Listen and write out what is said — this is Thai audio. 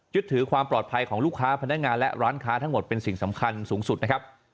ถือความปลอดภัยของลูกค้าพนักงานและร้านค้าทั้งหมดเป็นสิ่งสำคัญสูงสุดนะครับ